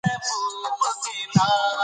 هغه د وټس اپ په پاڼه کې پیغامونه لیدل.